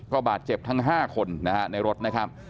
บาดเจ็บทั้ง๕คนนะฮะในรถนะครับ